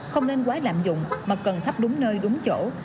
không nên quá lạm dụng mà cần thắp đúng nơi đúng chỗ